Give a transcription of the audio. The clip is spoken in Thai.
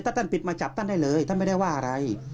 ถ้าท่านปิดมาจับท่านได้เลยท่านไม่ได้ว่าอะไร